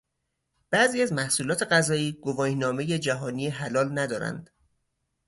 بعضی از محصولات غذایی گواهینامهٔ جهانی حلال ندارند.